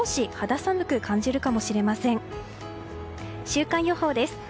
週間予報です。